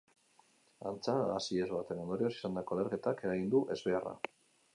Antza, gas ihes baten ondorioz izandako leherketak eragin du ezbeharra.